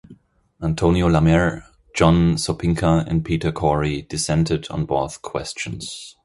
Antonio Lamer, John Sopinka, and Peter Cory dissented on both questions.